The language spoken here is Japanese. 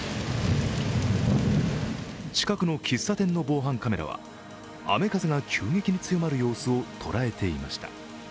近くの喫茶店の防犯カメラは雨風が急激に強まる様子を捉えていました。